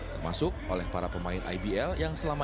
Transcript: termasuk oleh para pemain ibl yang selamat